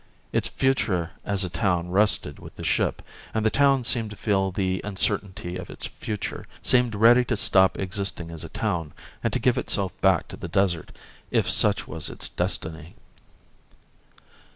Its future as a town rested with the ship, and the town seemed to feel the uncertainty of its future, seemed ready to stop existing as a town and to give itself back to the desert, if such was its destiny.